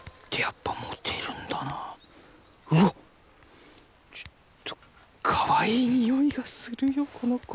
うわっちょっとかわいいにおいがするよこの子。